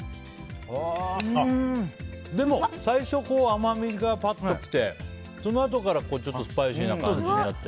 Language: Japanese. でも、最初は甘みがパッと来てそのあとからスパイシーな感じになって。